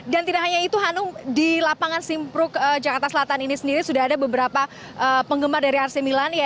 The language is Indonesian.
dan tidak hanya itu hanum di lapangan simprok jakarta selatan ini sendiri sudah ada beberapa penggemar dari rc milan